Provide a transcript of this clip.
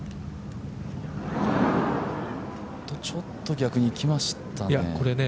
ちょっと逆にいきましたね。